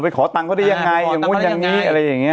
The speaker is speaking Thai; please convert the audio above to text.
ไปขอตังค์เขาได้ยังไงอย่างงี้อย่างงั้น